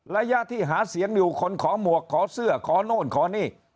ระยะที่หาเสียงอยู่คนขอหมวกขอเสื้อขอโน่นขอนี่